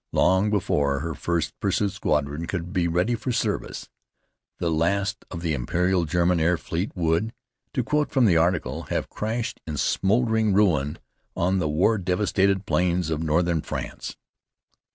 Long before her first pursuit squadron could be ready for service, the last of the imperial German air fleet would, to quote from the article, have "crashed in smouldering ruin on the war devastated plains of northern France."